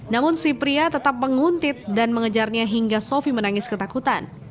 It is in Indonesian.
namun si pria tetap menguntit dan mengejarnya hingga sofi menangis ketakutan